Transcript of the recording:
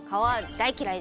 大嫌い？